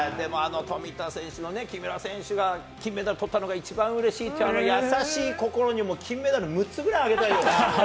富田選手の木村選手が金メダルを取ったのが嬉しいっていうやさしい心に金メダルを６つぐらいあげたいよね。